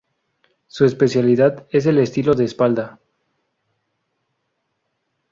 Su especialidad es el estilo de espalda.